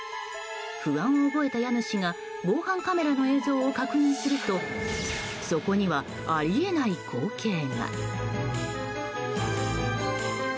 不安を覚えた家主が防犯カメラの映像を確認するとそこにはありえない光景が。